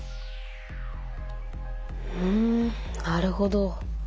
ふんなるほど。